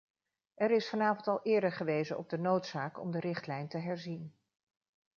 Er is vanavond al eerder gewezen op de noodzaak om de richtlijn te herzien.